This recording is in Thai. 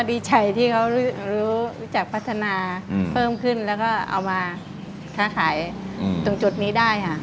ดีใจที่เขารู้จักพัฒนาเพิ่มขึ้นแล้วก็เอามาค้าขายตรงจุดนี้ได้ค่ะ